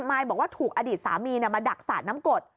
มายบอกว่าถูกอดีตสามีมาดักสาดน้ำกด